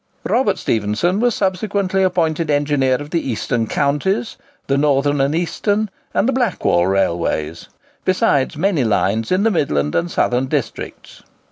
Robert Stephenson was subsequently appointed engineer of the Eastern Counties, the Northern and Eastern, and the Blackwall railways, besides many lines in the midland and southern districts.